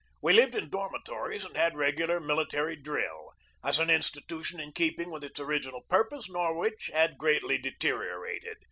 We lived in dormitories and had regular military drill. As an institution in keeping with its original pur pose, Norwich had greatly deteriorated.